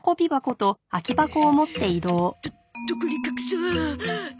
どどこに隠そう。